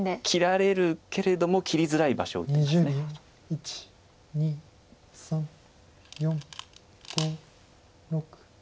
切られるけれども切りづらい場所打ってます。